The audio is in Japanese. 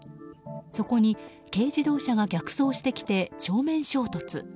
そこに軽自動車が逆走してきて正面衝突。